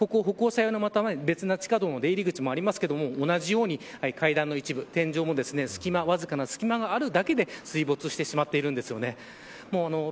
ここは歩行者用とは別の地下道の出入り口がありますが同じように階段の一部天井わずかな隙間があるだけで水没してしまっています。